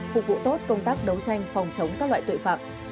phục vụ tốt công tác đấu tranh phòng chống các loại tội phạm